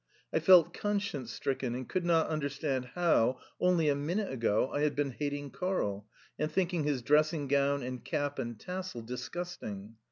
I felt conscience stricken, and could not understand how, only a minute ago, I had been hating Karl, and thinking his dressing gown and cap and tassel disgusting.